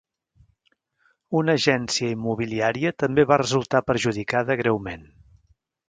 Una agència immobiliària també va resultar perjudicada greument.